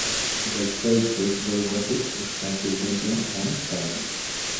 It was praised for its bold graphics, expansive gameplay, and challenge.